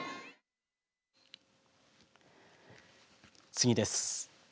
次です。